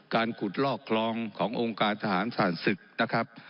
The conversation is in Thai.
การขุดลอกคลองขององค์การทหารผ่านศึกนะครับ